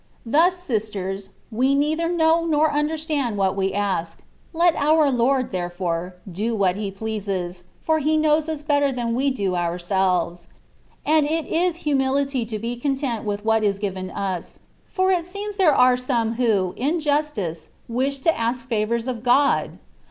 Thus, sisters, we neither know nor understand what we ask; let our Lord, therefore, do what He pleases, for He knows us better than we do ourselves ; and it is humiUty to be content with what is given us, for it seems there are some who, in justice, wish to ask favours of God